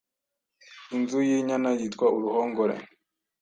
Inzu y’Inyana yitwa Uruhongore